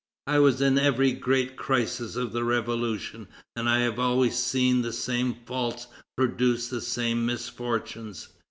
I was in every great crisis of the Revolution, and I have always seen the same faults produce the same misfortunes.